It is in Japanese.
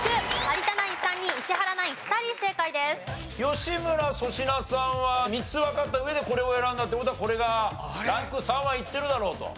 吉村粗品さんは３つわかった上でこれを選んだって事はこれがランク３はいってるだろうと。